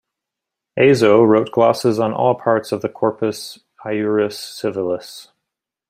Azo wrote glosses on all parts of the Corpus Iuris Civilis.